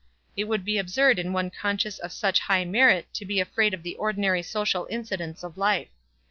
It would be absurd in one conscious of such high merit to be afraid of the ordinary social incidents of life.